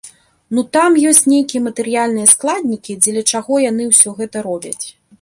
Ну, там ёсць нейкія матэрыяльныя складнікі, дзеля чаго яны ўсё гэта робяць.